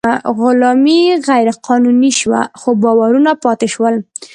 غلامي غیر قانوني شوه، خو باورونه پاتې شول.